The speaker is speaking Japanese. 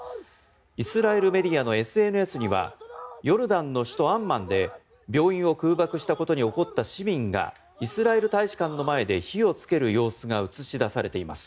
イスラエルメディアのＳＮＳにはヨルダンの首都アンマンで病院を空爆したことに怒った市民がイスラエル大使館の前で火をつける様子が映し出されています。